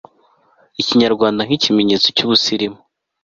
ikinyarwanda nk'ikimenyetso cy'ubusirimu